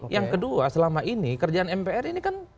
yang kedua selama ini kerjaan mpr ini kan